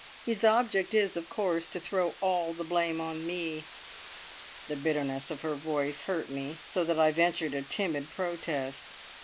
His object is, of course, to throw all the blame on me." The bitterness of her voice hurt me so that I ventured a timid protest.